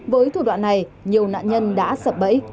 với thủ đoạn này nhiều nạn nhân đã sập bẫy